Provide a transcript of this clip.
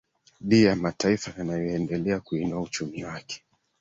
dia mataifa yanayoendelea kuinua uchumi wake